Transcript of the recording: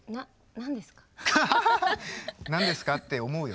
何ですかって思うよね。